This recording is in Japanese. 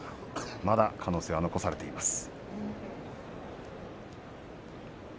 まだ可能性は残されています。